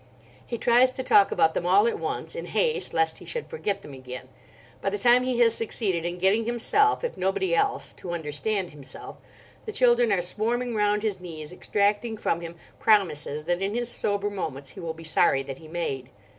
He tries to talk about them all at once, in haste lest he should forget them again. By the time he has succeeded in getting himself, if nobody else, to understand himself, the children are swarming round his knees extracting from him promises that in his sober moments he will be sorry that he made.